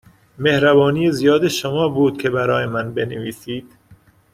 مهربانی زیاد شما بود که برای من بنویسید.